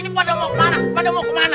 ini pada mau kemana pada mau kemana